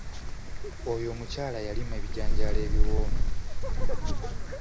Oyo omukyala yalima ebijanjaalo ebiwooma.